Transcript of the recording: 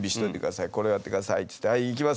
これをやってくださいって言ってはい行きますよ